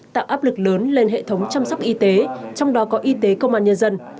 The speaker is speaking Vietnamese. tạo áp lực lớn lên hệ thống chăm sóc y tế trong đó có y tế công an nhân dân